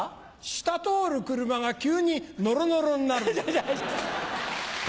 下通る車が急にノロノロになるんです。